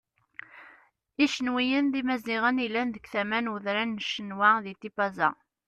Icenwiyen d Imaziɣen yellan deg tama n udran n Cenwa di Tipaza.